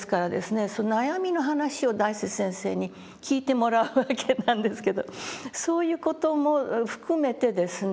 その悩みの話を大拙先生に聞いてもらうわけなんですけどそういう事も含めてですね